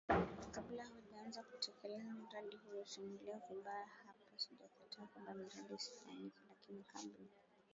kabla hawajaanza kutekeleza mradi huo Usinielewe vibaya hapa sijakataa kwamba miradi isifanyike lakini kabla